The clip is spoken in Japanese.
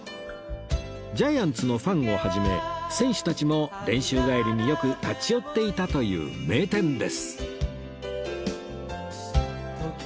ジャイアンツのファンを始め選手たちも練習帰りによく立ち寄っていたという名店です